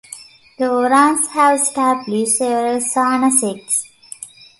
The Oraons have established several Sarna sects.